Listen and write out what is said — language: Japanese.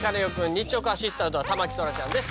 日直アシスタントは田牧そらちゃんです。